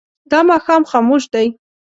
دا ماښام خاموش دی.